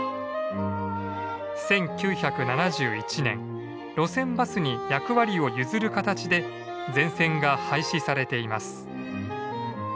１９７１年路線バスに役割を譲る形で全線が廃止されています。